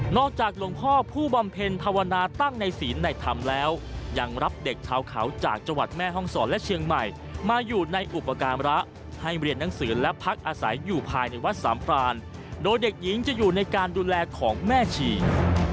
จากหลวงพ่อผู้บำเพ็ญภาวนาตั้งในศีลในธรรมแล้วยังรับเด็กชาวเขาจากจังหวัดแม่ห้องศรและเชียงใหม่มาอยู่ในอุปการณ์ให้เรียนหนังสือและพักอาศัยอยู่ภายในวัดสามพรานโดยเด็กหญิงจะอยู่ในการดูแลของแม่ชี